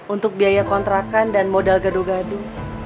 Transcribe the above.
untuk biaya kontrakan dan modal gadu gadu